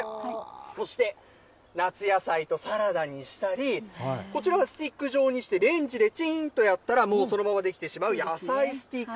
そして、夏野菜とサラダにしたり、こちらはスティック状にして、レンジでちんとやったら、もうそのまま出来てしまう野菜スティック。